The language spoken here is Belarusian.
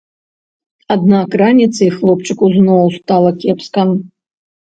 Аднак раніцай хлопчыку зноў стала кепска.